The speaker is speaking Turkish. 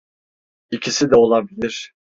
İkisi de olabilir.